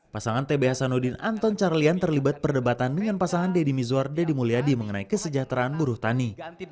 pasangan tb hasanuddin anton carlian terlibat perdebatan dengan pasangan deddy mizwar deddy mulyadi mengenai kesejahteraan buruh tani